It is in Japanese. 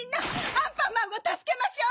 アンパンマンをたすけましょう！